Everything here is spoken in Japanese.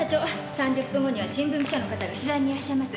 ３０分後には新聞記者の方が取材にいらっしゃいます。